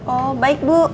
oh baik bu